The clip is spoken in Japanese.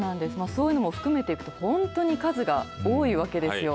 そういうのも含めていくと、本当に数が多いわけですよ。